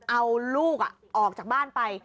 เอาลูกออกจากบ้านไป